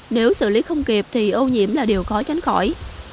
nếu xử lý không kịp thì ô nhiễm là điều khó tránh khỏi